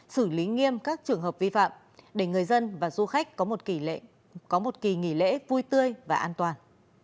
xử lý nghiêm các trường hợp vi phạm để người dân và du khách có một kỳ nghỉ lễ vui tươi và an toàn